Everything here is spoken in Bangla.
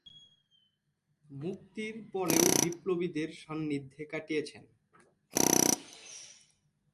মুক্তির পরেও বিপ্লবীদের সান্নিধ্যে কাটিয়েছেন।